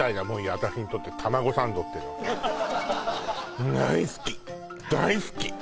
私にとってたまごサンドってのは大好き大好き